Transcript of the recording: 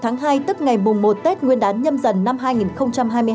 ngày một hai tức ngày một một tết nguyên đán nhâm dần năm hai nghìn hai mươi hai